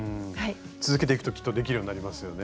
続けていくときっとできるようになりますよね。